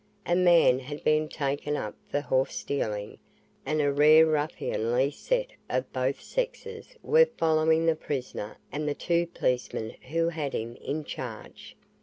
A man had been taken up for horse stealing and a rare ruffianly set of both sexes were following the prisoner and the two policemen who had him in charge.